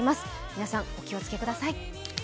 皆さんお気を付けください。